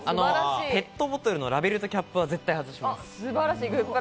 ペットボトルのラベルとキャップは絶対外します。